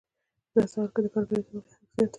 په داسې حال کې چې د کارګرې طبقې حق زیات دی